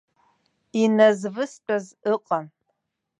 Иназвыстәыз ыҟан.